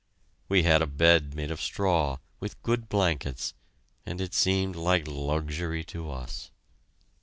We had a bed made of straw, with good blankets, and it seemed like luxury to us.